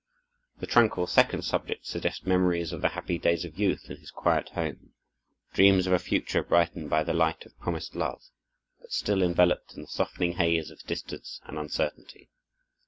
The tranquil second subject suggests memories of the happy days of youth in his quiet home—dreams of a future brightened by the light of promised love, but still enveloped in the softening haze of distance and uncertainty.